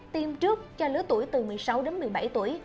tiêm trước cho lứa tuổi từ một mươi sáu đến hai mươi tuổi